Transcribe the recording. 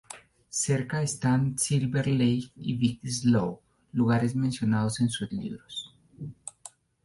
Cerca están Silver Lake y Big Slough, lugares mencionados en sus libros.